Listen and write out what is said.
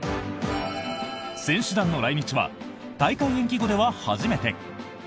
選手団の来日は大会延期後では初めて。